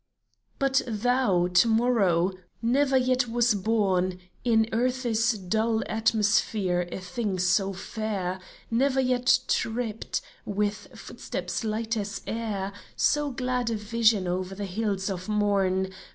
But thou, To morrow ! never yet was born In earth's dull atmosphere a thing so fair — Never yet tripped, with footsteps light as air, So glad a vision o'er the hills of morn